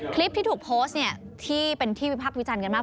คลิปที่ถูกโพสต์เนี่ยที่เป็นที่วิพักษ์วิจารณ์กันมาก